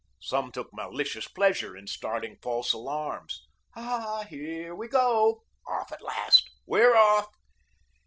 Some took malicious pleasure in starting false alarms. "Ah, HERE we go." "Off, at last." "We're off."